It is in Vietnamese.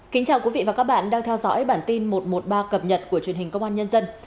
kính chào quý vị và các bạn đang theo dõi bản tin một trăm một mươi ba cập nhật của truyền hình công an nhân dân